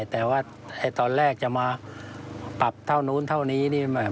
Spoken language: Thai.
แต่ว่าตอนแรกจะมาปรับเท่านู้นเท่านี้นี่